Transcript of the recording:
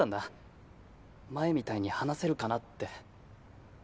前みたいに話せるかなって。